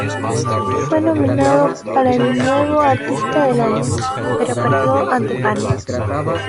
Fue nominado para el "Nuevo Artista del Año", pero perdió ante Panic!